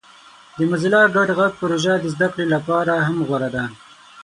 د موزیلا ګډ غږ پروژه د زده کړې لپاره هم غوره ده.